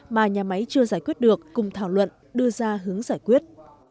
mà nhà máy chưa giải quyết được cùng thảo luận đưa ra hướng giải quyết